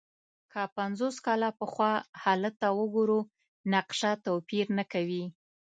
که پنځوس کاله پخوا حالت ته وګورو، نقشه توپیر نه کوي.